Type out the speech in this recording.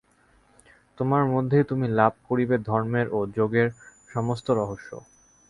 তোমার মধ্যেই তুমি লাভ করিবে ধর্মের ও যোগের সমস্ত রহস্য।